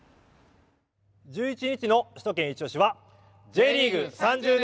１１日の首都圏いちオシ！はＪリーグ３０年